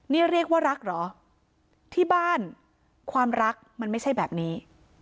นี่เรียกว่ารักเหรอที่บ้านความรักมันไม่ใช่แบบนี้